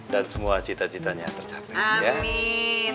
dan semua cita citanya tercapai amin